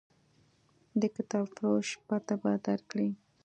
د کتابفروش پته به درکړي.